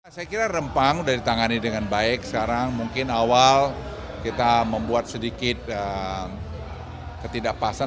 saya kira rempang sudah ditangani dengan baik sekarang mungkin awal kita membuat sedikit ketidakpasan